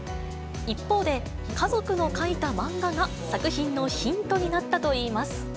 一方で、家族の描いたマンガが作品のヒントになったといいます。